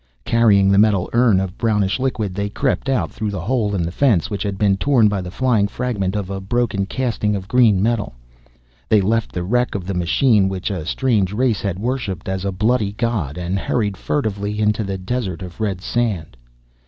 Carrying the metal urn of brownish liquid, they crept out through the hole in the fence, which had been torn by the flying fragment of a broken casting of green metal. They left the wreck of the machine which a strange race had worshiped as a bloody god and hurried furtively into the desert of red sand.